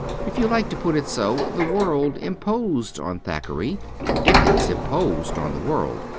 If you like to put it so : the world imposed on Thackeray, and Dickens imposed on the world.